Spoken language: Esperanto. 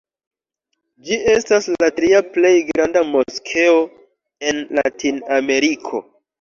Ĝi estas la tria plej granda moskeo en Latin-Ameriko.